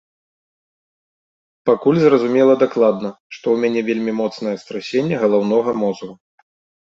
Пакуль зразумела дакладна, што ў мяне вельмі моцнае страсенне галаўнога мозгу.